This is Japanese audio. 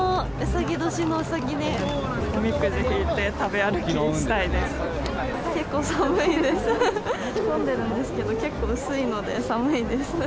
着込んでるんですけど、結構薄いので、寒いです。